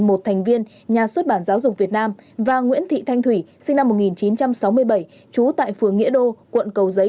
một thành viên nhà xuất bản giáo dục việt nam và nguyễn thị thanh thủy sinh năm một nghìn chín trăm sáu mươi bảy trú tại phường nghĩa đô quận cầu giấy